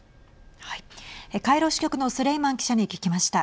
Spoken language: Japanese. カイロ支局のスレイマン記者に聞きました。